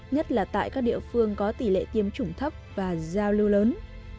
nhất là tại các địa phương có tỷ lệ tiêm chủng thấp và giao lưu lớn